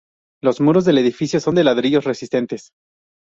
Los muros del edificio son de ladrillos resistentes.